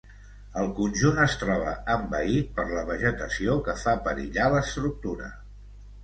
El conjunt es troba envaït per la vegetació que fa perillar l'estructura.